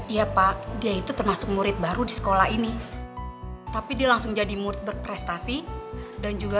ya pak dia itu termasuk murid baru di sekolah ini tapi dia langsung jadi murid berprestasi dan juga